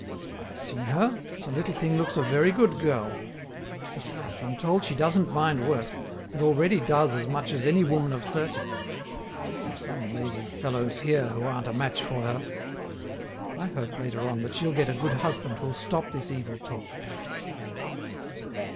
I've seen her, the little thing looks a very good girl. Besides, I'm told she doesn't mind work, and already does as much as any woman of thirty. There are some lazy fellows here who aren't a match for her. I hope, later on, that she'll get a good husband who'll stop this evil talk."